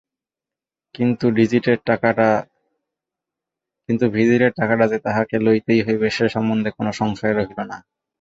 কিন্তু ভিজিটের টাকাটা যে তাহাকে লইতেই হইবে সে সম্বন্ধে কোনো সংশয় রহিল না।